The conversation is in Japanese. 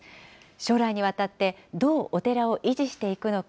将来にわたってどうお寺を維持していくのか。